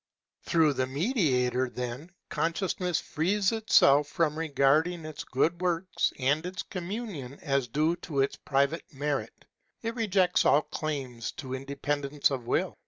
Through the Mediator, then, Consciousness frees itself from regarding its good works and its communion as due to its private merit. It rejects all claim to independence of will.